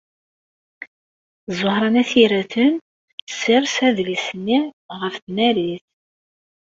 Ẓuhṛa n At Yiraten tessers adlis-nni ɣef tnarit.